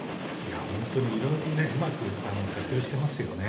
本当に色々うまく活用してますよね。